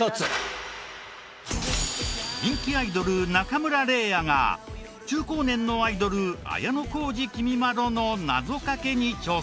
人気アイドル中村嶺亜が中高年のアイドル綾小路きみまろの謎掛けに挑戦。